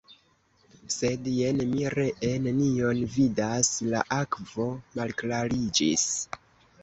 Sed, jen, mi ree nenion vidas, la akvo malklariĝis!